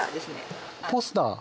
ポスター？